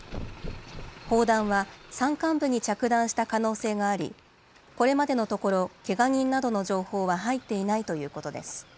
砲弾は山間部に着弾した可能性があり、これまでのところ、けが人などの情報は入っていないということです。